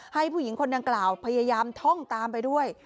ให้ผู้หญิงคนดังกล่าวพยายามท่องตามไปด้วย